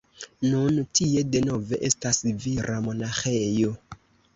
Nun tie denove estas vira monaĥejo.